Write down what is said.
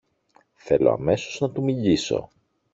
Θέλω αμέσως να του μιλήσω!